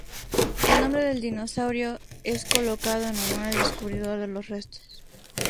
El nombre del dinosaurio, es colocado en honor al descubridor de los restos.